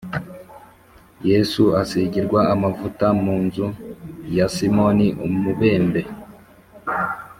Yesu asigirwa amavuta mu nzu ya Simoni umubembe